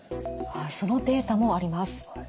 そのデータもあります。